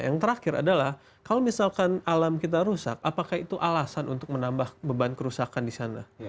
yang terakhir adalah kalau misalkan alam kita rusak apakah itu alasan untuk menambah beban kerusakan di sana